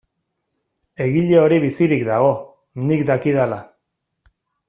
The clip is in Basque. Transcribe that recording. Egile hori bizirik dago, nik dakidala.